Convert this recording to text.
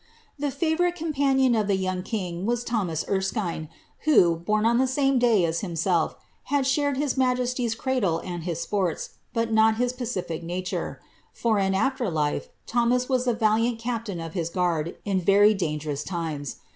The favourite companion of the young king was Thomas Erskine. who, born on the same day as himself, had shared his majesty's cradle and his sports, but not his pacific nature; for, in after life, Thom&s nu the valiaiit captain of his guard, in very dangerous times.